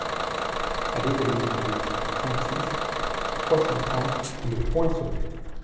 Allée des Maisons Rouges, trente-six, trois cent trente Le Poinçonnet